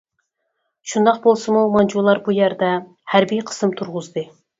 شۇنداق بولسىمۇ، مانجۇلار بۇ يەردە ھەربىي قىسىم تۇرغۇزدى.